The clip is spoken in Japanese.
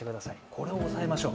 これを押さえましょう。